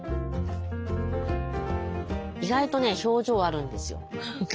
意外とね表情あるんですよ。